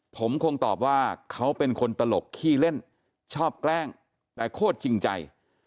ผมคงตอบว่าเขาเป็นคนตลกขี้เล่นชอบแกล้งแต่โคตรจริงใจ